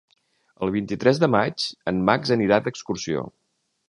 El vint-i-tres de maig en Max anirà d'excursió.